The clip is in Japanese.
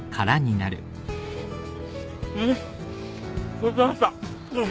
ごちそうさまでした。